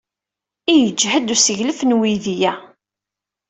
Ay yejhed usseglef n uydi-a!